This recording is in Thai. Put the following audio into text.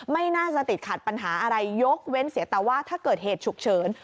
ไม่น่าจะติดขัดปัญหาอะไรยกเว้นเสียแต่ว่าถ้าเกิดเหตุฉุกเฉิน